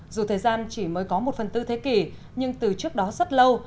dù thời gian chỉ mới có một phần tư thế kỷ nhưng từ trước đó rất lâu